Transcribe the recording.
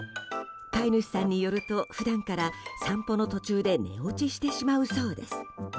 飼い主さんによると普段から散歩の途中で寝落ちしてしまうそうです。